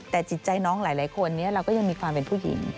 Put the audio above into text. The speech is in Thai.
แต่จิตใจน้องหลายคนนี้เราก็ยังมีความเป็นผู้หญิง